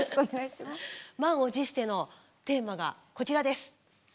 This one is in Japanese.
満を持してのテーマがこちらです。